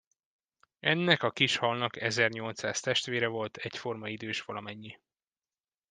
Ennek a kis halnak ezernyolcszáz testvére volt, egyforma idős valamennyi.